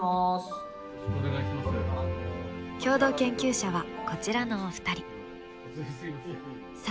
共同研究者はこちらのお二人。